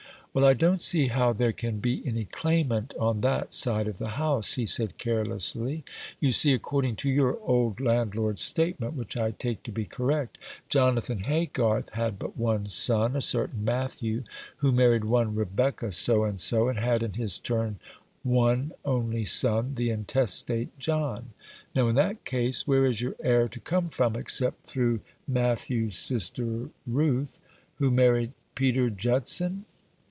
"Well, I don't see how there can be any claimant on that side of the house," he said carelessly. "You see, according to your old landlord's statement which I take to be correct Jonathan Haygarth had but one son, a certain Matthew, who married one Rebecca So and so, and had, in his turn one only son, the intestate John. Now, in that case, where is your heir to come from, except through Matthew's sister Ruth, who married Peter Judson?"